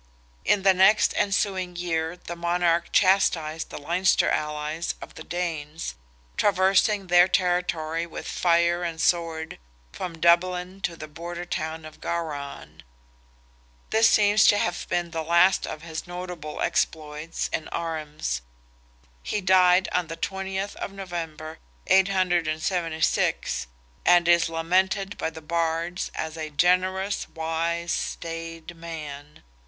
In the next ensuing year the monarch chastised the Leinster allies of the Danes, traversing their territory with fire and sword from Dublin to the border town of Gowran. This seems to have been the last of his notable exploits in arms. He died on the 20th of November, 876, and is lamented by the Bards as "a generous, wise, staid man."